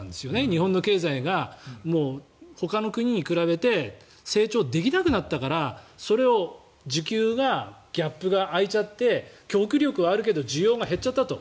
日本の経済がほかの国に比べて成長できなくなったからそれを需給がギャップが開いちゃって供給力はあるけど需要は下がっちゃったと。